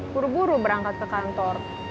buru buru berangkat ke kantor